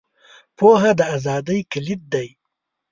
• پوهه، د ازادۍ کلید دی.